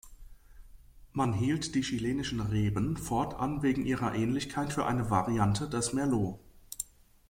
Man hielt die chilenischen Reben fortan wegen ihrer Ähnlichkeit für eine Variante des Merlot.